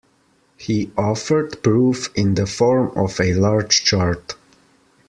He offered proof in the form of a large chart.